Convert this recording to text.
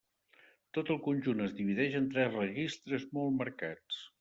Tot el conjunt es divideix en tres registres molt marcats.